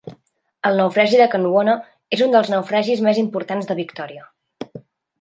El naufragi del "Kanwona" és un dels naufragis més importants de Victòria.